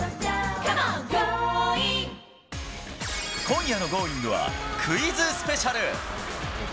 今夜のＧｏｉｎｇ！は、クイズスペシャル。